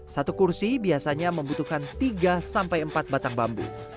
satu kursi biasanya membutuhkan tiga sampai empat batang bambu